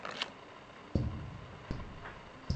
ও এখন থেকে আমার!